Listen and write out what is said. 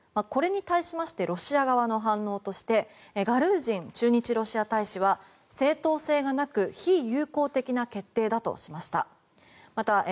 これに対してロシア側の反応としてガルージン駐日ロシア大使は正当性がなく非友好的な決定だとしました。